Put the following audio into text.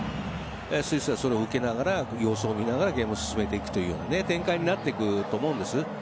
スイスはそれを受けながら様子を見ながらゲームを進めていくというような展開になってくると思うんです。